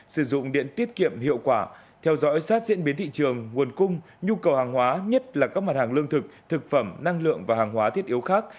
sử dụng điện tiết kiệm hiệu quả theo dõi sát diễn biến thị trường nguồn cung nhu cầu hàng hóa nhất là các mặt hàng lương thực thực phẩm năng lượng và hàng hóa thiết yếu khác